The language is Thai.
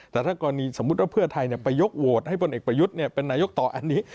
แต่ถ้ากรณีสมมุติว่าเพื่อไทยไปยกโหวตให้พลเอกประยุทธ์เป็นนายกต่ออันนี้